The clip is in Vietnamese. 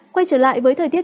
quay trở lại với thời gian